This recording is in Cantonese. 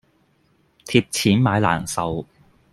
貼錢買難受